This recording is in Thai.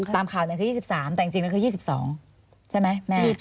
ตามข่าวเนี่ยคือ๒๓แต่จริงเนี่ยคือ๒๒ใช่ไหมแม่